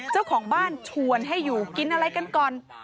เจ้าของบ้านชวนให้อยู่กินอะไรกันก่อน